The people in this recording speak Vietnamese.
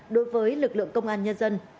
đối với lực lượng công an nhân dân